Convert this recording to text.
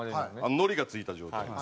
のりが付いた状態の。